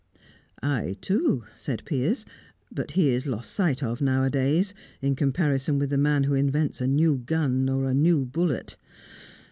"I too," said Piers. "But he is lost sight of, nowadays, in comparison with the man who invents a new gun or a new bullet."